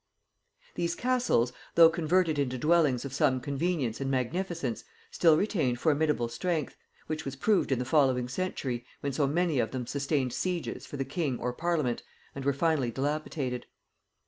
These castles, though converted into dwellings of some convenience and magnificence, still retained formidable strength, which was proved in the following century, when so many of them sustained sieges for the king or parliament and were finally dilapidated.